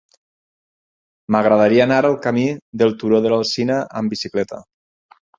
M'agradaria anar al camí del Turó de l'Alzina amb bicicleta.